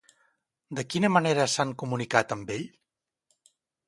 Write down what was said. De quina manera s'han comunicat amb ell?